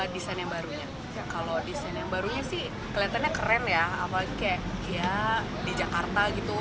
desain yang barunya kalau desain yang barunya sih kelihatannya keren ya apalagi kayak ya di jakarta gitu